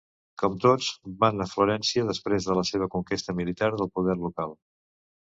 Com tots, van a Florència després de la seva conquesta militar del poder local.